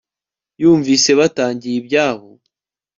yumvise batangiye ibyabo